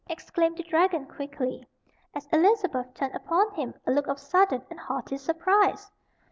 exclaimed the dragon quickly, as Elizabeth turned upon him a look of sudden and haughty surprise.